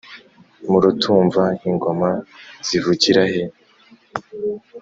Murutumva ingoma zivugira he